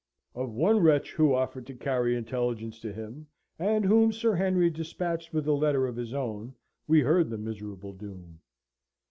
Of one wretch who offered to carry intelligence to him, and whom Sir Henry despatched with a letter of his own, we heard the miserable doom.